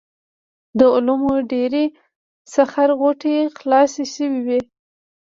د علومو ډېرې سخر غوټې خلاصې شوې وې.